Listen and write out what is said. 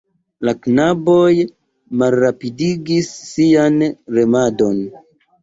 La knaboj malrapidigis sian remadon.